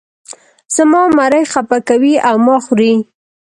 زما مرۍ خپه کوې او ما خورې.